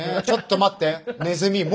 ちょっと待ってねずみ！